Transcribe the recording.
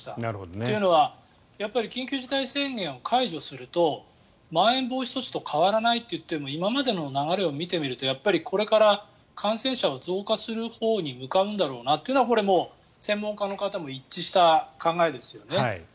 というのは緊急事態宣言を解除するとまん延防止措置と変わらないといっても今までの流れを見てみるとやっぱりこれから感染者は増加するほうに向かうんだろうなというのはこれはもう専門家の方も一致した考えですよね。